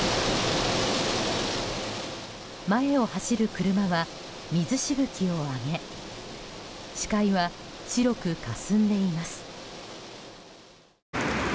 前を走る車は、水しぶきを上げ視界は白くかすんでいます。